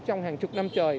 trong hàng chục năm trời